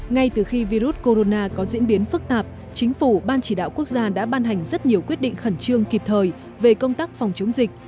ngay từ khi virus corona có diễn biến phức tạp chính phủ ban chỉ đạo quốc gia đã ban hành rất nhiều quyết định khẩn trương kịp thời về công tác phòng chống dịch